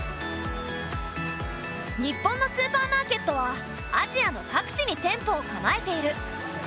日本のスーパーマーケットはアジアの各地に店舗を構えている。